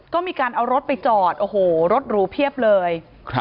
ก็มีการเอารถไปจอดโอ้โหรถหรูเพียบเลย